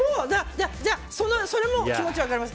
それも気持ち分かります。